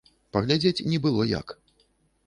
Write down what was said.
Паглядзець не было як.